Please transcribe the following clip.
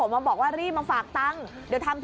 มาสองคนมารถไรอย่างครับ